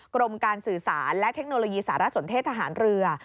กรมการสื่อสารและเทคโนโลยีสารสนเทศทหารเรือ